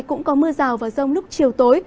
cũng có mưa rào và rông lúc chiều tối